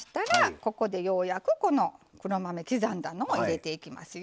ここでようやくこの黒豆刻んだのを入れていきますよ。